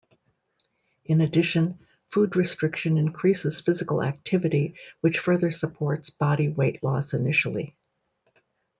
In addition, food restriction increases physical activity which further supports body weight loss initially.